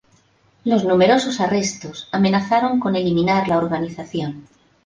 Los numerosos arrestos amenazaron con eliminar la organización.